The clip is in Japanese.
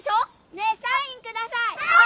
ねえサイン下さい！